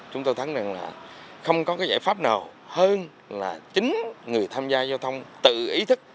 chúng tôi thắng rằng là không có cái giải pháp nào hơn là chính người tham gia giao thông tự ý thức